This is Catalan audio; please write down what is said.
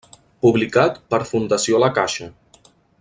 Publicat per Fundació La Caixa.